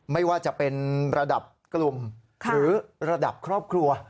ไม่ว่าจะเป็นระดับกลุ่มหรือระดับครอบครัว